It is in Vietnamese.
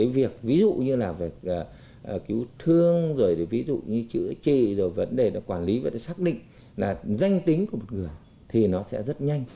việc ví dụ như là cứu thương ví dụ như chữa trị vấn đề quản lý vấn đề xác định là danh tính của một người thì nó sẽ rất nhanh